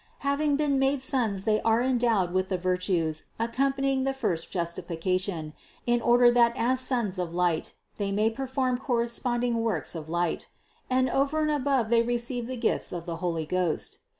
Having been made sons they are endowed with the virtues accompanying the first justification, in order that as sons of light, they may perform corresponding works of light ; and over and above they receive the gifts of the Holy Ghost.